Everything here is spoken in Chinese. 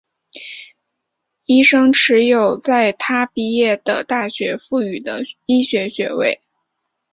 医生持有在他毕业的大学赋予的医学学位。